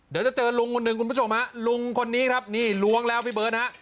เดี๋ยวจะเจอลุงคนหนึ่งคุณผู้ชมฮะลุงคนนี้ครับนี่ล้วงแล้วพี่เบิร์ตฮะ